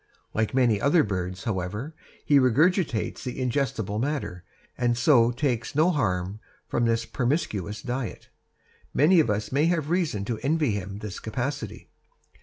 Like many other birds, however, he regurgitates the indigestible matter, and so takes no harm from this promiscuous diet. Many of us may have reason to envy him this capacity.